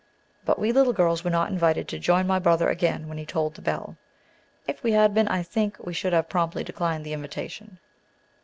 But we little girls were not invited to join my brother again when he tolled the bell: if we had been, I think we should have promptly declined the invitation.